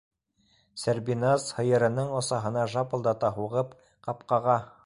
Сәрбиназ, һыйырының осаһына шапылдата һуғып, ҡапҡаға